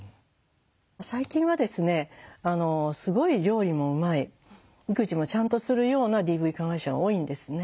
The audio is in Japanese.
最近はですねすごい料理もうまい育児もちゃんとするようなＤＶ加害者が多いんですね。